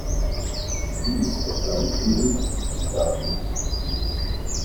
Wie ist der Stand in den Mitgliedstaaten?